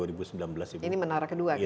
ini menara kedua ya